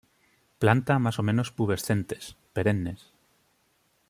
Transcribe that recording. Planta más o menos pubescentes, perennes.